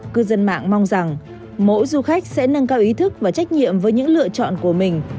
cư dân mạng mong rằng mỗi du khách sẽ nâng cao ý thức và trách nhiệm với những lựa chọn của mình